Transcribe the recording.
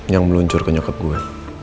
yang meluncur ke nyokap gue